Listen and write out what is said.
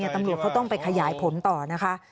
ตำรวจเขาต้องไปขยายผลต่อนะคะ